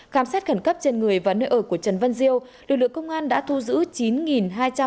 khám xét khẩn cấp trên người và nơi ở của trần văn diêu lực lượng công an đã thu giữ chín hai trăm năm mươi nhân